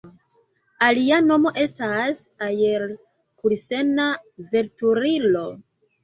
Alia nomo estas aer-kusena veturilo.